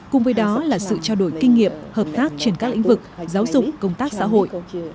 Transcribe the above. cùng với đó là sự trao đổi kinh nghiệm hợp tác trên các lĩnh vực giáo dục công tác xã hội